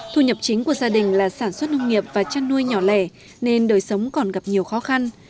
thu nhập chính của gia đình là sản xuất nông nghiệp và chăn nuôi nhỏ lẻ nên đời sống còn gặp nhiều khó khăn